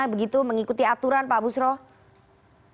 begitu mengikuti kemampuan kpk yang diperlukan oleh pimpinan kpk